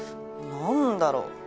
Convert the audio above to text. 何だろう？